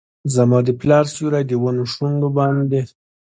زما د پلار سیوري ، د ونو شونډو باندې